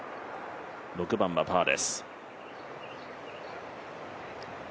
６番はパーです。